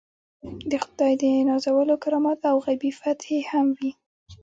د خدای د نازولو کرامات او غیبي فتحې هم وي.